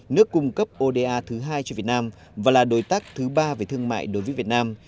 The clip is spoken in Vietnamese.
nước cung cấp oda thứ hai cho việt nam và là đối tác thứ ba về thương mại đối với việt nam